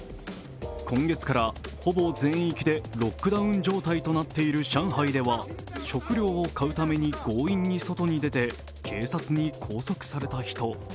今月からほぼ全域でロックダウン状態となっている上海では食料を買うために強引に外に出て警察に拘束された人も。